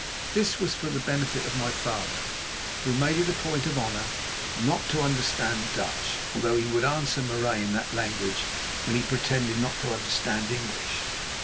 This was for the benefit of my father, who made it a point of honour not to understand Dutch, although he would answer Marais in that language when he pretended not to understand English.